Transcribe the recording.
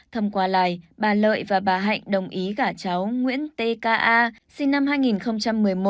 thông qua lai bà lợi và bà hạnh đồng ý cả cháu nguyễn t k a sinh năm hai nghìn một mươi một